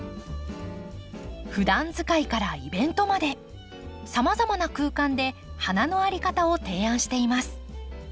ふだん使いからイベントまでさまざまな空間で花の在り方を提案しています。